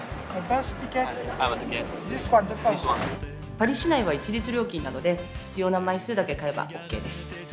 パリ市内は一律料金なので必要な枚数だけ買えばオーケーです。